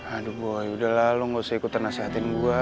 aduh boy udah lah lo ga usah ikut nasehatin gua